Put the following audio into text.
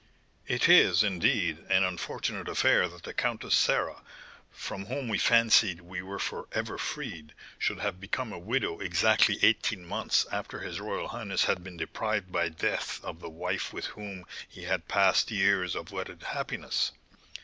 "It is, indeed, an unfortunate affair that the Countess Sarah, from whom we fancied we were for ever freed, should have become a widow exactly eighteen months after his royal highness had been deprived by death of the wife with whom he had passed years of wedded happiness.